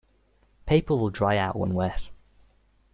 Paper will dry out when wet.